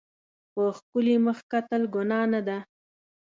په ښکلي مخ کتل ګناه نه ده.